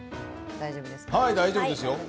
大丈夫ですよ。